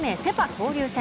交流戦。